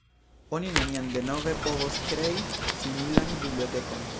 Oni neniam denove povos krei similan bibliotekon.